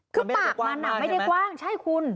คือปากมันไม่ได้กว้างใช่คุณ